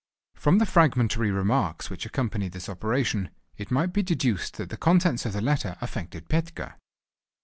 From the fragmentary remarks which accompanied this operation, it might be deduced that the contents of the letter affected Petka.